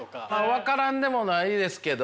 分からんでもないですけど。